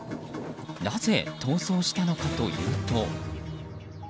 なぜ逃走したのかというと。